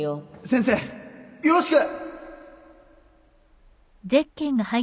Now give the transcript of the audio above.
先生よろしく！